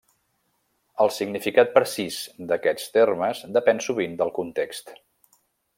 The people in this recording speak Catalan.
El significat precís d'aquests termes depèn sovint del context.